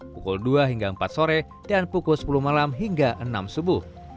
pukul dua hingga empat sore dan pukul sepuluh malam hingga enam subuh